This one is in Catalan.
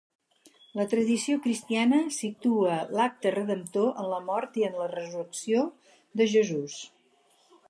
La tradició cristiana situa l'acte redemptor en la mort i en la resurrecció de Jesús.